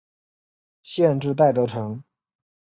县治戴德城。